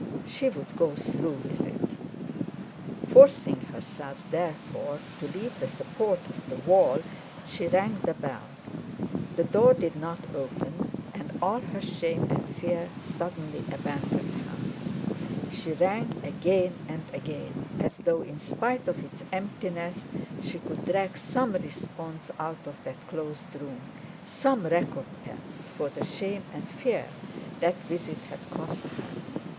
She would go through with it. Forcing herself, therefore, to leave the support of the wall, she rang the bell. The door did not open, and all her shame and fear suddenly abandoned her; she rang again and again, as though in spite of its emptiness she could drag some response out of that closed room, some recompense for the shame and fear that visit had cost her.